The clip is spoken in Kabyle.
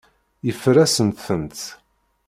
Yeffer-asent-tent.